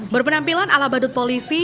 berpenampilan ala badut polisi